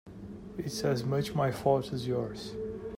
It's as much my fault as yours.